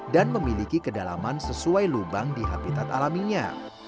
dan memiliki kedalaman sesuai lubang di habitat alaminya